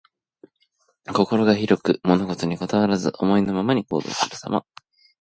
心が広く、物事にこだわらず、思いのままに行動するさま。